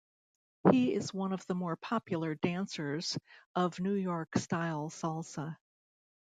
He is one of the more popular dancers of New York style salsa.